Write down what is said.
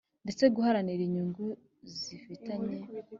ndetse guharanira inyungu zifitanye